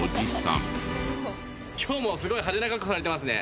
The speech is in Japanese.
今日もすごい派手な格好されてますね。